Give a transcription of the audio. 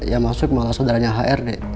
yang masuk malah saudaranya hrd